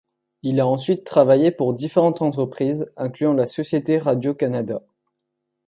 Il a ensuite travaillé pour différentes entreprises, incluant la Société Radio-Canada.